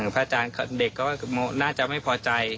พระอาจารย์เด็กก็น่าจะไม่พอใจ